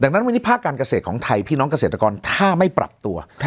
ดังนั้นวันนี้ภาคการเกษตรของไทยพี่น้องเกษตรกรถ้าไม่ปรับตัว